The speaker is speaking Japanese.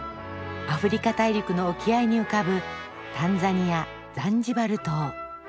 アフリカ大陸の沖合に浮かぶタンザニア・ザンジバル島。